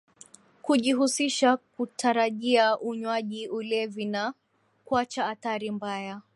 kujihusishakutarajia unywajiulevi na kuachaathari mbaya